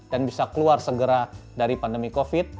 dan bisa keluar segera dari pandemi covid